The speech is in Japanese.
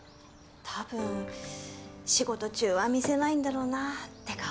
たぶん仕事中は見せないんだろうなあって